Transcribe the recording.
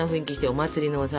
お祭りのさ。